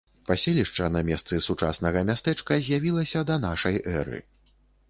Паселішча на месцы сучаснага мястэчка з'явілася да нашай эры.